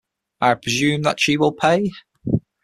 I presume that she will pay.